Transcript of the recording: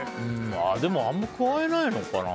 でもあんまりくわえないのかな。